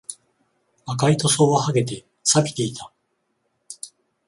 赤い塗装は剥げて、錆びていた